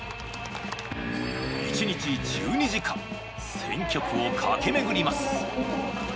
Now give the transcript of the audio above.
一日１２時間選挙区を駆け巡ります。